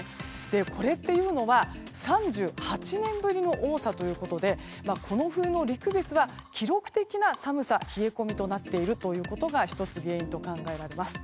これというのは３８年ぶりの多さということでこの冬の陸別は記録的な寒さ冷え込みとなっていることが１つ、原因と考えられます。